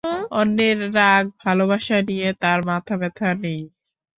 অন্যের রাগ ভালবাসা নিয়ে তাঁর মাথাব্যথা নেই।